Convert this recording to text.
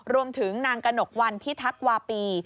รวมถึงนางกระหนกวันพิทักษ์วาปี